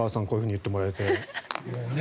こういうふうに言ってもらえて。